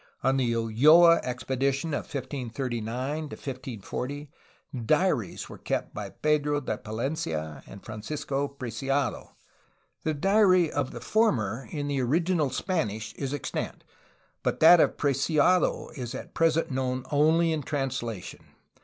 On the UUoa expedition of 1539 1540 diaries were kept by Pedro de Palencia and Fran cisco Preciado. The diary of the former in the original Span ish is extant, but that of Preciado is at present known only in translation.